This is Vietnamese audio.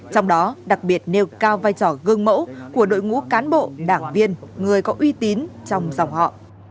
trong đó đặc biệt nêu cao vai trò gương mẫu của đội ngũ cán bộ đảng viên người có uy tín trong dòng họ